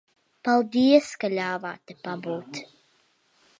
Paldies, ka ļāvāt te pabūt.